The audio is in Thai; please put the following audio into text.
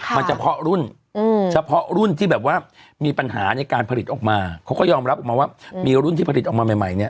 มันเฉพาะรุ่นเฉพาะรุ่นที่แบบว่ามีปัญหาในการผลิตออกมาเขาก็ยอมรับออกมาว่ามีรุ่นที่ผลิตออกมาใหม่เนี่ย